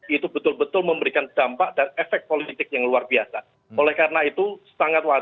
itu betul betul memberikan dampak dan efek politik yang luar biasa